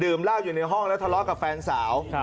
เหล้าอยู่ในห้องแล้วทะเลาะกับแฟนสาว